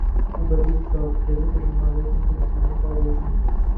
Bu badiiy kitob, gazeta-jurnal yoki internetdagi maqola boʻlishi mumkin